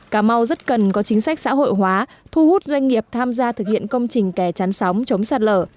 cà mau rất cần có chính sách xã hội hóa thu hút doanh nghiệp tham gia thực hiện công trình kè chắn sóng chống sạt lở